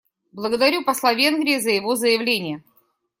Благодарю посла Венгрии за его заявление.